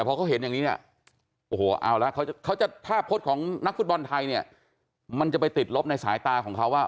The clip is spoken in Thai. พรุ่งญี่ปุ่นหรือว่าอังกฤษ